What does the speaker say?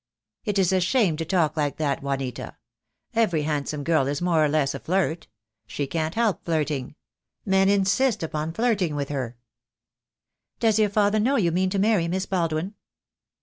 "It is a shame to talk like that, Juanita. Every hand some girl is more or less a flirt. She can't help flirting. Men insist upon flirting with her." "Does your father know you mean to marry Miss Baldwin?"